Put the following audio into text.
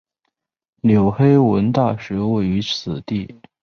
纽黑文大学位于此地。